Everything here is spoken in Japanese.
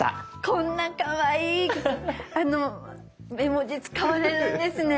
こんなかわいい絵文字使われるんですね。